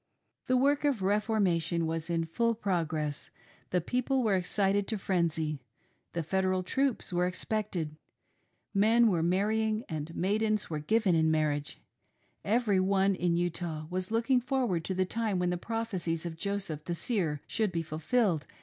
The work of " Reformation " was in full progress ; the people were excited to frenzy ; the Federal troops were ex pected ; men were marrying and maidens were given in mar riage ; every one in Utah was looking forward to the time when the prophecies of Joseph, the Seer, should be fulfilled.